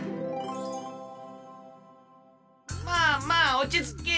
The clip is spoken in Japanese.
まあまあおちつけ。